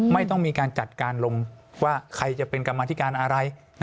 ไม่ต้องมีการจัดการลงว่าใครจะเป็นกรรมธิการอะไร